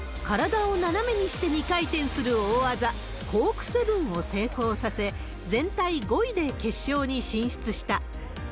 体を斜めにして２回転する大技、コークセブンを成功させ、全体５位で決勝に進出した。